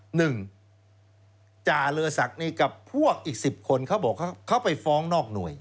หนึ่งจ่าเรือศักดิ์นี่กับพวกอีกสิบคนเขาบอกเขาไปฟ้องนอกหน่วย